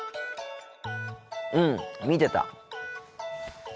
うん見てた。